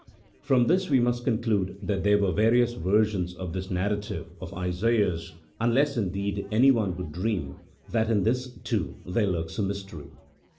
From this we must conclude that there were various versions of this narrative of Isaiah's, unless, indeed, anyone would dream that in this, too, there lurks a mystery.